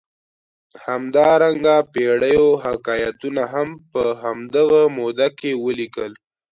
همدارنګه پېړیو حکایتونه هم په همدغه موده کې ولیکل.